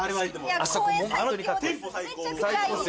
めっちゃくちゃいいです